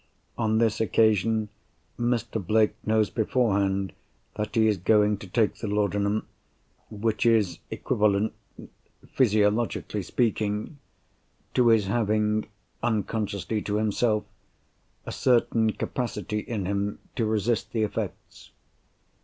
On this occasion, Mr. Blake knows beforehand that he is going to take the laudanum—which is equivalent, physiologically speaking, to his having (unconsciously to himself) a certain capacity in him to resist the effects.